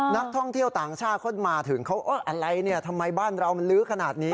นักท่องเที่ยวต่างชาติเขามาถึงเขาอะไรเนี่ยทำไมบ้านเรามันลื้อขนาดนี้